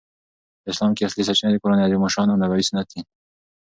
په اسلام کښي اصلي سرچینه قران عظیم الشان او نبوي سنت ده.